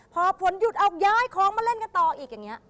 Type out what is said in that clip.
พอผลหยุดออกย้ายของมาเล่นกันต่ออีกอย่างนี้